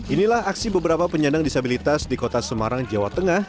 inilah aksi beberapa penyandang disabilitas di kota semarang jawa tengah